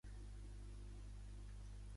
Diumenge na Nàdia i na Noa volen anar a Talavera.